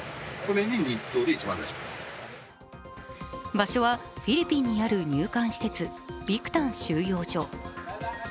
場所はフィリピンにある入管施設、ビクタン収容所。